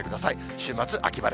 週末、秋晴れ。